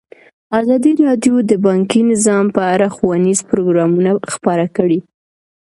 ازادي راډیو د بانکي نظام په اړه ښوونیز پروګرامونه خپاره کړي.